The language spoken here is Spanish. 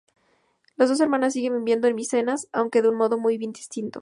Las dos hermanas siguen viviendo en Micenas —aunque de un modo bien distinto—.